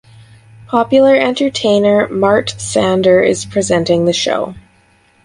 Popular entertainer Mart Sander is presenting the show.